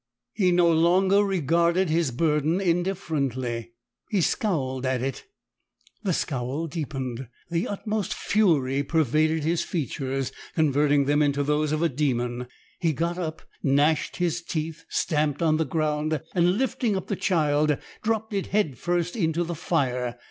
He no longer regarded his burden indifferently he scowled at it. The scowl deepened, the utmost fury pervaded his features, converting them into those of a demon. He got up, gnashed his teeth, stamped on the ground, and lifting up the child, dropped it head first into the fire.